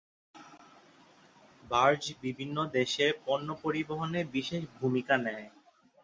Barge বিভিন্ন দেশে পণ্য পরিবহনে বিশেষ ভূমিকা নেয়।